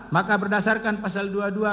maka berdasarkan pasal dua puluh dua